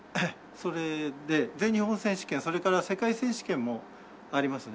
それで全日本選手権それから世界選手権もありますね。